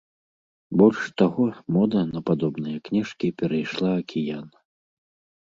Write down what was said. Больш таго, мода на падобныя кніжкі перайшла акіян.